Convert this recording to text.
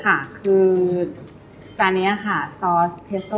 ค่ะคือจานนี้ค่ะซอสเพสโต้